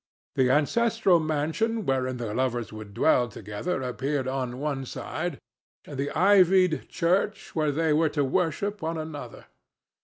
The ancestral mansion wherein the lovers would dwell together appeared on one side, and the ivied church where they were to worship on another.